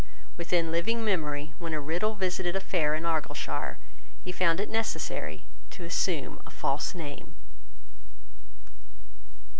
Within living memory, when a Riddell visited a fair in Argyleshire, he found it necessary to assume a false name.